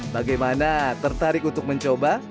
bagaimana tertarik untuk mencoba